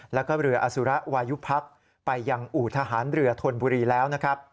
แล้วก็เรืออสุระวัยุพรรคไปยังอุทหันเรือทวนบุรีแล้ว